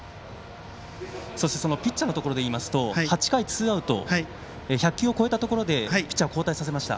そのピッチャーのところでいいますと８回ツーアウト１００球を超えたところでピッチャーを交代させました。